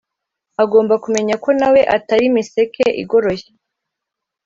agomba kumenya ko nawe atari miseke igoroye,